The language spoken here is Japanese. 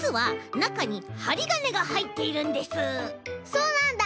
そうなんだ！